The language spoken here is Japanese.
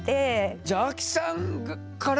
じゃあアキさんから？